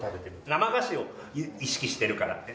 生菓子を意識してるからね